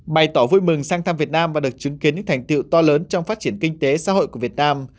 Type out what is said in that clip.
bày tỏ vui mừng sang thăm việt nam và được chứng kiến những thành tiệu to lớn trong phát triển kinh tế xã hội của việt nam